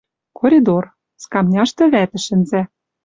Коридор. Скамняшты вӓтӹ шӹнзӓ.